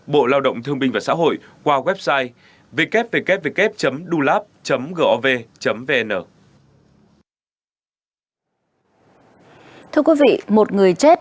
bộ lao động thương minh và xã hội qua website www dulap gov vn